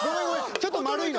ちょっと丸いの。